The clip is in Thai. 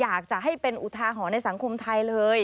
อยากจะให้เป็นอุทาหรณ์ในสังคมไทยเลย